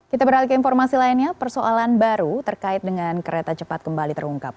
kita beralih ke informasi lainnya persoalan baru terkait dengan kereta cepat kembali terungkap